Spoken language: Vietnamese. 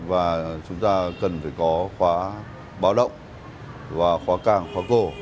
và chúng ta cần phải có khóa báo động và khóa càng khóa cổ